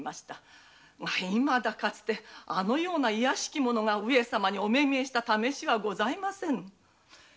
いまだかつてあのような卑しき者が上様にお目見えした試しはございません。